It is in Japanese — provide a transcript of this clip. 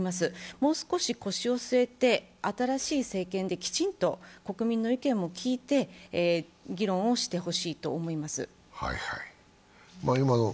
もう少し腰を据えて、新しい政権できちんと国民の意見を聞いて議論をしてほしいと思います。